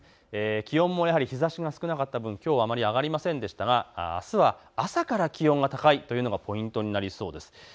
気温もやはり日ざしが少なかった分、きょうはあまり上がりませんでしたがあすは朝から気温が高いというのがポイントになりそうです。